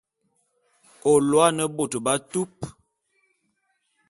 Ô lôô ane bôt b'atupe.